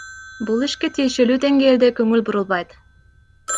Бул ишке тиешелуу денгээлде конул бурулбайт.